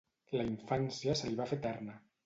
La infància se li va fer eterna.